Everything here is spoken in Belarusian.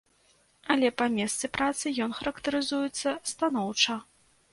Але па месцы працы ён характарызуецца станоўча.